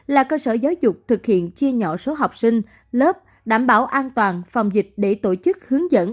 là cơ sở giáo dục thực hiện chia nhỏ số học sinh lớp đảm bảo an toàn phòng dịch để tổ chức hướng dẫn